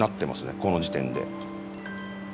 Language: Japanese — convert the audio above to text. この時点で。